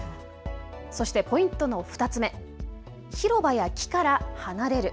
そしてポイント２つ目、広場や木から離れる。